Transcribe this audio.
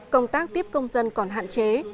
công tác tiếp công dân còn hạn chế